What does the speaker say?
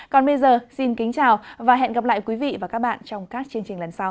còn bây giờ xin kính chào và hẹn gặp lại quý vị và các bạn trong các chương trình lần sau